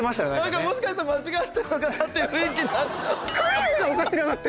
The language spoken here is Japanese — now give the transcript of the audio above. だからもしかしたら間違ってるのかなっていう雰囲気になっちゃった！